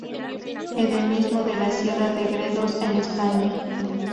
Endemismo de la Sierra de Gredos en España.